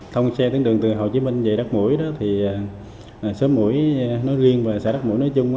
thông xe tuyến đường từ hồ chí minh về đất mũi đó thì xóm mũi nói riêng và xã đất mũi nói chung